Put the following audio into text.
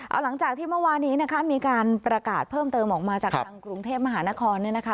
เอาหลังจากที่เมื่อวานี้นะคะมีการประกาศเพิ่มเติมออกมาจากทางกรุงเทพมหานครเนี่ยนะคะ